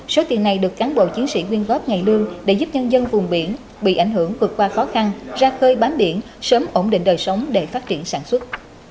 số tiền này được cán bộ chiến sĩ quyên góp ngày lương để giúp nhân dân vùng biển bị ảnh hưởng vượt qua khó khăn ra khơi bám biển sớm ổn định đời sống để phát triển sản xuất